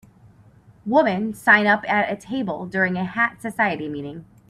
Woman sign up at a table during a hat society meeting.